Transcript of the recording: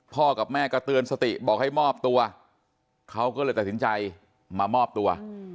กับแม่ก็เตือนสติบอกให้มอบตัวเขาก็เลยตัดสินใจมามอบตัว